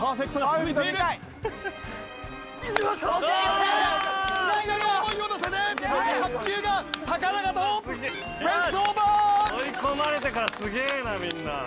追い込まれてからすげえなみんな。